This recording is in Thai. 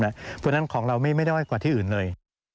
เพราะฉะนั้นของเราไม่น้อยกว่าที่อื่นเลย